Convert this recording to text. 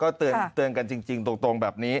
ก็เตือนเตือนกันจริงจริงตรงแบบนี้